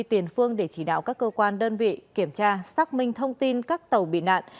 tiền phương để chỉ đạo các cơ quan đơn vị kiểm tra xác minh thông tin các tàu bị nạn